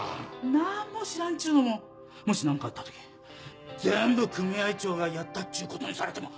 何も知らんっちゅうのももし何かあった時全部組合長がやったっちゅうことにされても。